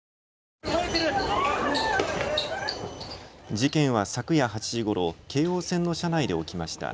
事件は昨夜８時ごろ、京王線の車内で起きました。